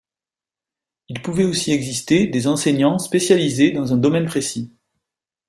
Il pouvait aussi exister des enseignants spécialisés dans un domaine précis.